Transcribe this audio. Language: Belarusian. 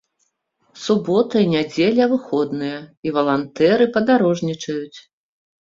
Субота і нядзеля выходныя і валантэры падарожнічаюць.